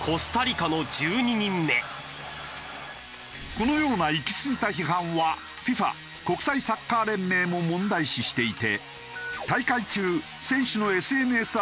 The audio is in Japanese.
このような行き過ぎた批判はＦＩＦＡ国際サッカー連盟も問題視していて。